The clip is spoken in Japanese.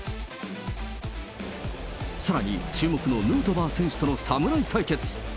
さらに注目のヌートバー選手との侍対決。